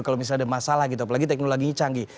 kalau misalnya ada masalah gitu apalagi teknologinya canggih